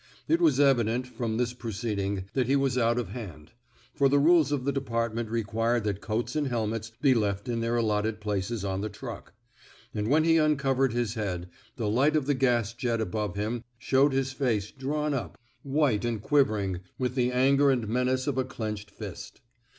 It was evident, from this proceeding, that he was out of hand; for the rules of the department re quired that coats and helmets be left in their allotted places on the truck. And when he uncovered his head, the light of the gas jet above him showed his face drawn up, white 250 A PERSONALLY CONDUCTED REVOLT and quivering, with the anger and menace of a clenched fist.